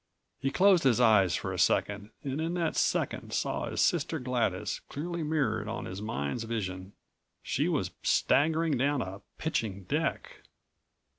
He closed his eyes for a second and in that second saw his sister Gladys clearly mirrored on his mind's vision. She was staggering down a pitching deck.